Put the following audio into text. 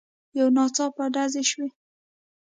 يو ناڅاپه ډزې شوې.